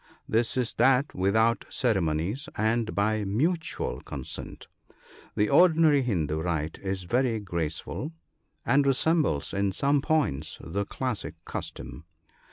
This is that without cere monies, and by mutual consent. The ordinary Hindoo rite is very graceful, and resembles in some points the classic custom.